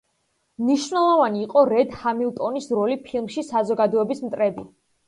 მნიშვნელოვანი იყო რედ ჰამილტონის როლი ფილმში „საზოგადოების მტრები“.